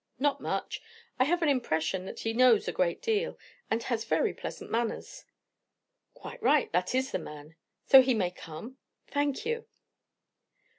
"Not much. I have an impression that he knows a great deal, and has very pleasant manners." "Quite right. That is the man. So he may come? Thank you."